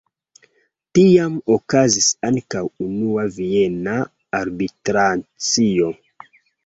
Tiam okazis ankaŭ Unua Viena Arbitracio.